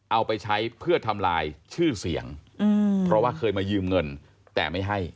เอาไปใช้เพื่อทำลายชื่อเสียงเพราะว่าเคยมายืมเงินแต่ไม่ให้